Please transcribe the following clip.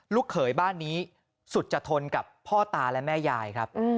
เขยบ้านนี้สุจทนกับพ่อตาและแม่ยายครับ